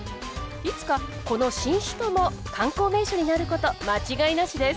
いつかこの新首都も観光名所になること間違いなしです。